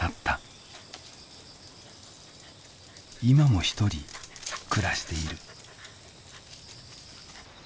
今もひとり暮らしている。